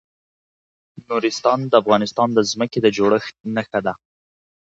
نورستان د افغانستان د ځمکې د جوړښت نښه ده.